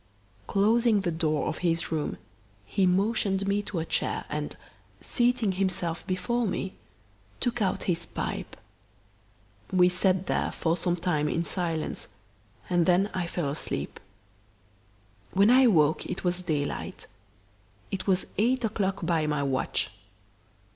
Closing the door of his room, he motioned me to a chair and, seating himself before me, took out his pipe. We sat there for some time in silence and then I fell asleep. When I awoke it was daylight. It was eight o'clock by my watch.